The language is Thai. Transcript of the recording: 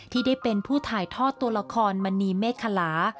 ที่ได้เป็นผู้ถ่ายทอดตัวละครมณีเมฆคลา